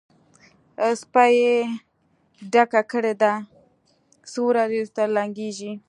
سپۍ یې ډکه کړې ده؛ څو ورځې روسته لنګېږي.